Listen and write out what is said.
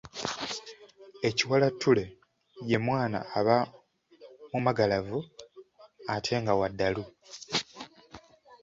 Ekiwalattule ye mwana aba mumagalavu ate nga wa ddalu.